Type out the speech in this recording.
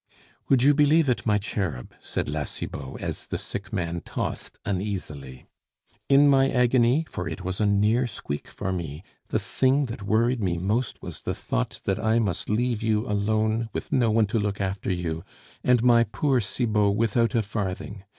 "Would you believe it, my cherub?" said La Cibot, as the sick man tossed uneasily, "in my agony for it was a near squeak for me the thing that worried me most was the thought that I must leave you alone, with no one to look after you, and my poor Cibot without a farthing....